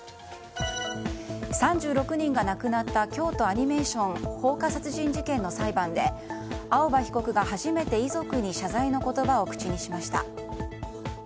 ３６人が亡くなった京都アニメーション放火殺人事件の裁判で青葉被告が初めて遺族に謝罪の言葉を口にしました。